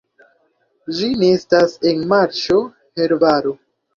Ĝi nestas en marĉo, herbaro.